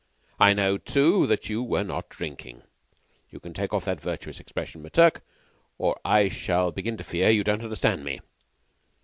I know, too, that you were not drinking. (You can take off that virtuous expression, McTurk, or I shall begin to fear you don't understand me.)